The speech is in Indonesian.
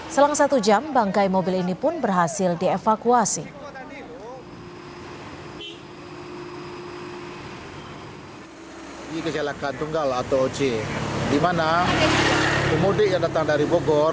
selang satu jam bangkai mobil ini pun berhasil dievakuasi